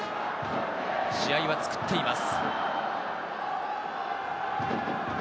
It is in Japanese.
試合は作っています。